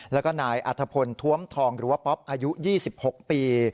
แล้วก็นายอัธพลท้วมทองหรือว่าป๊อปอายุ๒๖ปี